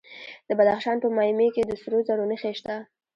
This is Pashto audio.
د بدخشان په مایمي کې د سرو زرو نښې شته.